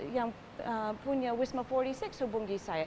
yang punya wisma empat puluh enam hubungi saya